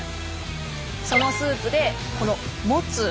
そのスープでこのモツ。